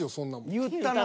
言ったな。